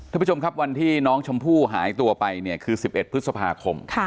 ท่านผู้ชมครับวันที่น้องชมพู่หายตัวไปเนี่ยคือ๑๑พฤษภาคม